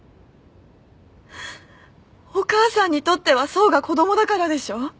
お母さんにとっては想が子供だからでしょ？